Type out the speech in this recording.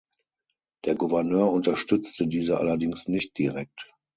Der Gouverneur unterstützte diese allerdings nicht direkt.